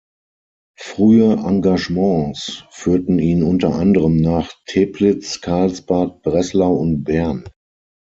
Frühe Engagements führten ihn unter anderem nach Teplitz, Karlsbad, Breslau und Bern.